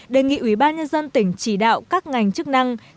đề nghị ubnd tỉnh chỉ đạo các ngành chức năng